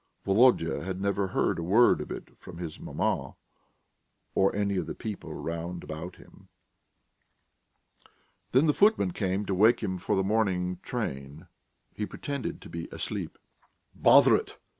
Volodya had never heard a word of it from his maman or any of the people round about him. When the footman came to wake him for the morning train, he pretended to be asleep.... "Bother it!